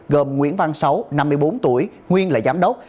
gồm nguyễn văn sáu năm mươi bốn tuổi nguyên là giám đốc